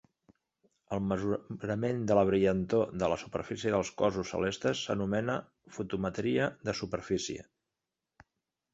El mesurament de la brillantor de la superfície dels cossos celestes s'anomena fotometria de superfície.